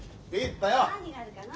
何があるかな？